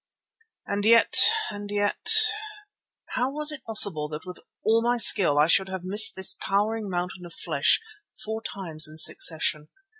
And yet, and yet, how was it possible that with all my skill I should have missed this towering mountain of flesh four times in succession.